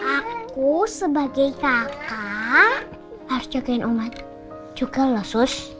aku sebagai kakak harus jagain oma juga loh sus